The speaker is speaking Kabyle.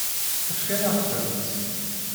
Fkan-aɣ-tent.